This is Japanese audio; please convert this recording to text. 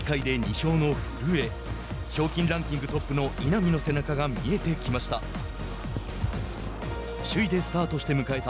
賞金ランキングトップの稲見の背中が見えてきました。